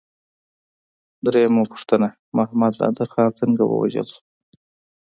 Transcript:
درېمه پوښتنه: محمد نادر خان څنګه ووژل شو؟